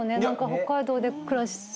北海道で暮らしてて。